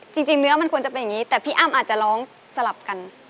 จริงเนื้อมันควรจะเป็นอย่างนี้แต่พี่อ้ำอาจจะร้องสลับกัน